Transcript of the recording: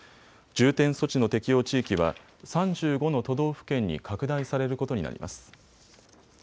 重点措置の適用地域は３５の都道府県に拡大されることになります。